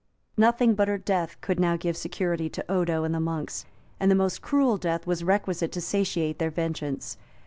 Nothing but her death could now give security to Odo and the monks, and the most cruel death was requisite to satiate their vengeance.